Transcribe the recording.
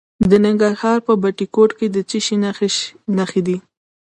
د ننګرهار په بټي کوټ کې د څه شي نښې دي؟